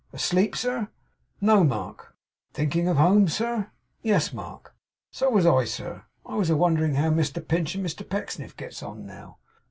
Asleep, sir?' 'No, Mark.' 'Thinking of home, sir?' 'Yes, Mark.' 'So was I, sir. I was wondering how Mr Pinch and Mr Pecksniff gets on now.